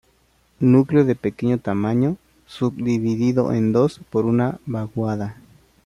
Núcleo de pequeño tamaño, subdividido en dos por una vaguada.